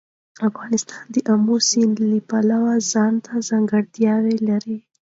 افغانستان د آمو سیند له پلوه ځانته ځانګړتیا لري.